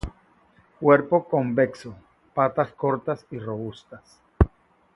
Cuerpo convexo, patas cortas y robustas.